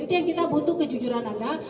itu yang kita butuh kejujuran anda